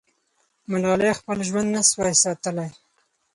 ملالۍ خپل ژوند نه سوای ساتلی.